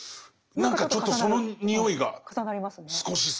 何かちょっとそのにおいが少しする。